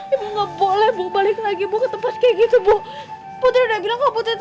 ibu nggak boleh ibu balik lagi ibu ke tempat kayak gitu ibu putri udah bilang kalau putri itu